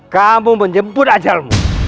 kamu menjemput ajalmu